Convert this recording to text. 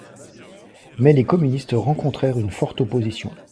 Mais les communistes rencontrèrent une forte opposition.